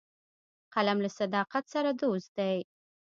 قلم له صداقت سره دوست دی